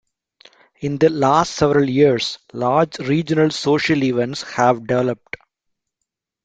In the last several years, large regional social events have developed.